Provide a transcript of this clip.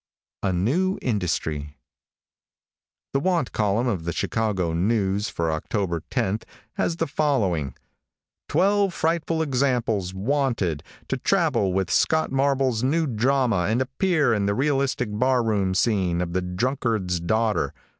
A NEW INDUSTRY. |THE want column of the Chicago News for October 10th has the following: "Twelve frightful examples' wanted, to travel with Scott Marble's new drama and appear in the realistic bar room scene of the 'Drunkard's Daughter.'